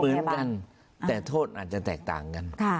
เหมือนกันแต่โทษอาจจะแตกต่างกัน